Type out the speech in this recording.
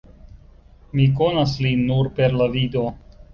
Mi konas lin nur per la vido.